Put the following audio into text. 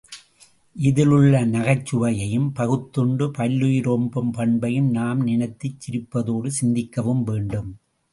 இதிலுள்ள நகைச்சுவையையும் பகுத்துண்டு பல்லுயி ரோம்பும் பண்பையும் நாம் நினைத்துச் சிரிப்பதோடு சிந்திக்கவும் வேண்டும்.